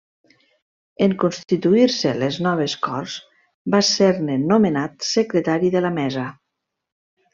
En constituir-se les noves Corts va ser-ne nomenat secretari de la Mesa.